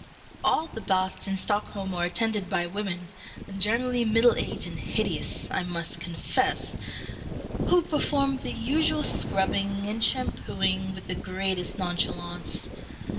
All the baths in Stockholm are attended by women (generally middle aged and hideous, I must confess), who perform the usual scrubbing and shampooing with the greatest nonchalance.